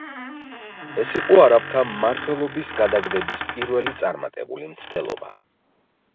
ეს იყო არაბთა მმართველობის გადაგდების პირველი წარმატებული მცდელობა.